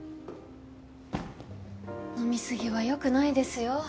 飲み過ぎは良くないですよ。